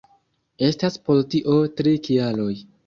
Estas por tio tri kialoj.